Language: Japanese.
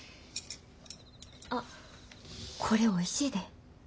あこれおいしいで。